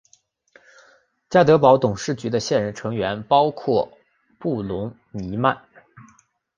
家得宝董事局的现任成员包括布伦尼曼。